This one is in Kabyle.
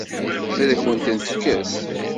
Ad akent-ten-tekkes?